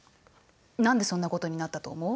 何でそんなことになったと思う？